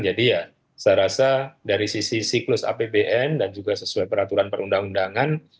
jadi ya saya rasa dari sisi siklus apbn dan juga sesuai peraturan perundang undangan